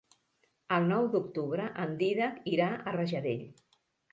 El nou d'octubre en Dídac irà a Rajadell.